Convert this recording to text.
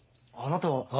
あなたは。